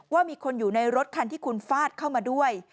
ว่ามีคนอยู่ในรถคันที่คุณฟาดเข้ามาด้วย